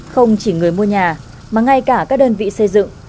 không chỉ người mua nhà mà ngay cả các đơn vị xây dựng